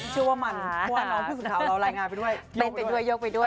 ชื่อว่ามันพ่อน้องผู้สึกขาวเรารายงานไปด้วย